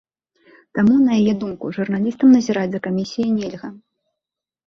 Таму, на яе думку, журналістам назіраць за камісіяй нельга.